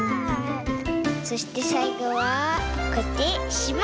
そしてさいごはこうやってしまう！